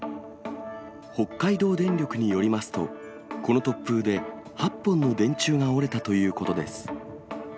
北海道電力によりますと、この突風で８本の電柱が折れたということです。